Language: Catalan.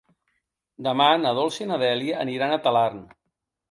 Demà na Dolça i na Dèlia aniran a Talarn.